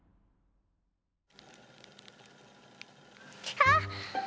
あっ！